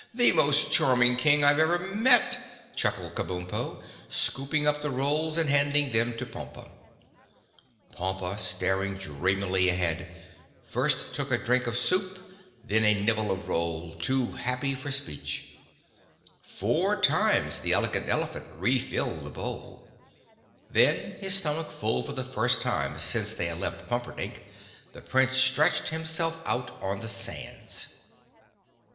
"The most charming King I've ever met," chuckled Kabumpo, scooping up the rolls and handing them to Pompa. Pompa, staring dreamily ahead, first took a drink of soup, then a nibble of roll, too happy for speech. Four times the Elegant Elephant refilled the bowl. Then, his stomach full for the first time since they had left Pumperdink, the Prince stretched himself out on the sands.